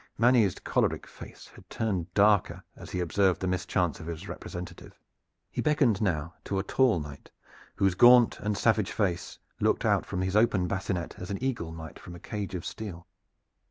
Manny's choleric face had turned darker as he observed the mischance of his representative. He beckoned now to a tall knight, whose gaunt and savage face looked out from his open bassinet as an eagle might from a cage of steel.